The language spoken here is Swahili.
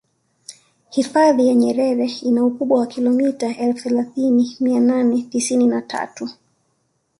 hifadhi ya nyerere ina ukubwa wa kilomita elfu thelathini mia nane tisini na tatu